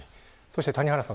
谷原さん